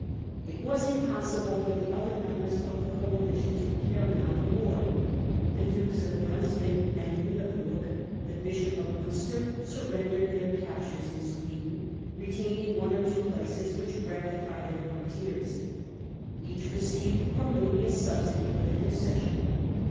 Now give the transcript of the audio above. It was impossible for the other members of the coali tion to carry on the war. The Dukes of Brunswick and Between Liineburg and the Bishop of Munster sur France, f the rendered their captures in Sweden, retaining Brunswick one or two places which rectified their fron Lfincburg, t * ers * Each received from Louis a subsidy for and Munster, the concession.